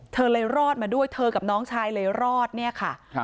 เธอเลยรอดมาด้วยเธอกับน้องชายเลยรอดเนี่ยค่ะ